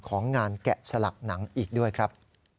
ของงานแกะสลักหนังอีกด้วยครับ